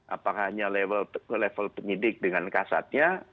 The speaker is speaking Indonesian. apakah hanya level penyidik dengan kasatnya